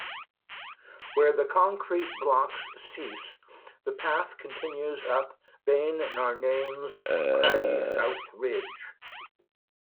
Where the concrete blocks cease, the path continues up Beinn Narnain's craggy south ridge.